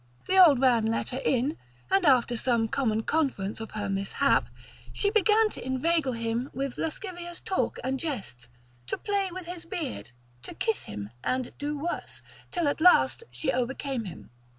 The old man let her in, and after some common conference of her mishap, she began to inveigle him with lascivious talk and jests, to play with his beard, to kiss him, and do worse, till at last she overcame him.